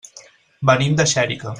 Venim de Xèrica.